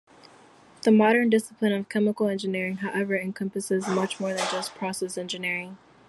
The modern discipline of chemical engineering, however, encompasses much more than just process engineering.